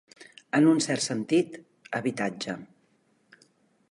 En un cert sentit, habitatge.